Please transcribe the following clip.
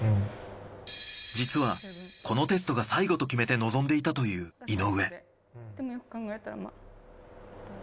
実はこのテストが最後と決めて臨んでいたという井上。